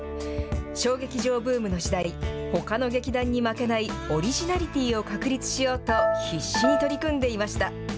小劇場ブームの時代、ほかの劇団に負けないオリジナリティーを確立しようと、必死に取り組んでいました。